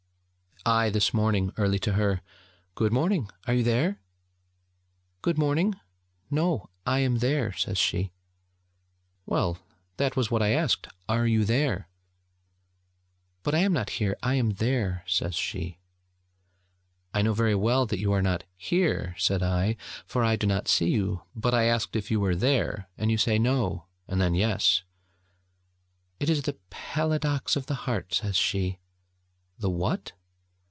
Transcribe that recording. I this morning early to her: 'Good morning! Are you there?' 'Good morning! No: I am there,' says she. 'Well, that was what I asked "are you there"?' 'But I not here, I am there,' says she. 'I know very well that you are not "here,"' said I, 'for I do not see you: but I asked if you were there, and you say "No," and then "Yes."' 'It is the paladox of the heart,' says she. 'The what?'